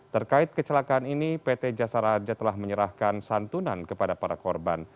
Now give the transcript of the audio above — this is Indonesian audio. terkait kecelakaan ini pt jasaraja telah menyerahkan santunan kepada para korban